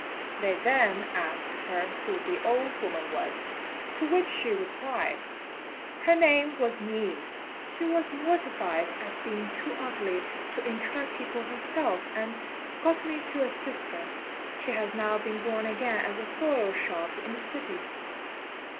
They then asked her who the old woman was; to which she replied, "Her name was Ni. She was mortified at being too ugly to entrap people herself, and got me to assist her. She has now been born again at a soy shop in the city."